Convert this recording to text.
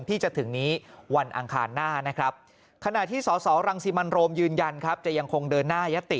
ที่จะถึงวันอังคารหน้าขณะที่สรลยืนยันจะยังคงเดินหน้ายติ